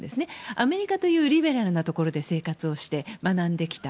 アメリカというリベラルなところで生活をして、学んできた。